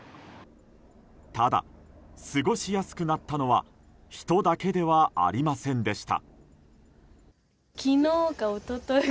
ただ過ごしやすくなったのは人だけではありませんでした。